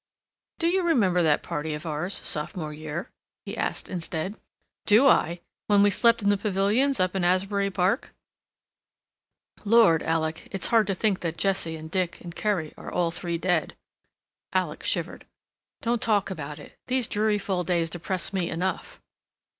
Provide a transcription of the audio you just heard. "Do you remember that party of ours, sophomore year?" he asked instead. "Do I? When we slept in the pavilions up in Asbury Park—" "Lord, Alec! It's hard to think that Jesse and Dick and Kerry are all three dead." Alec shivered. "Don't talk about it. These dreary fall days depress me enough."